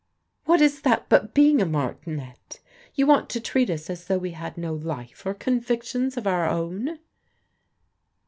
" What is that but being a martinet? You want to treat us as though we had no life or convictions of our own?"